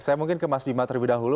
saya mungkin ke mas dima terlebih dahulu